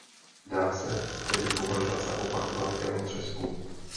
Dá se tedy považovat za opak "velkého třesku".